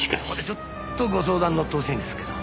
ちょっとご相談に乗ってほしいんですけど。